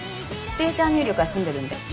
データ入力は済んでるんで。